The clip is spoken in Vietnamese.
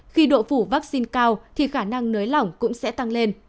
khi độ phủ vaccine cao thì khả năng nới lỏng cũng sẽ tăng lên